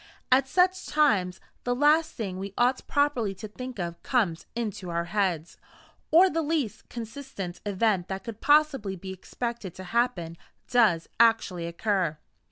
At such times, the last thing we ought properly to think of comes into our heads, or the least consistent event that could possibly be expected to happen does actually occur.